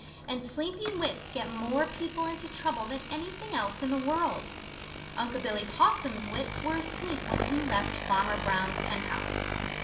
And sleepy wits get more people into trouble than anything else in the world. Unc' Billy Possum's wits were asleep when he left Farmer Brown's hen house.